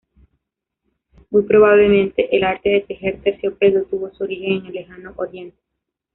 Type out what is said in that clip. Muy probablemente, el arte de tejer terciopelo tuvo su origen en el Lejano Oriente.